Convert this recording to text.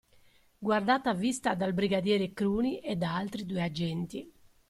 Guardata a vista dal brigadiere Cruni e da altri due agenti.